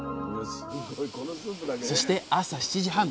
そして朝７時半。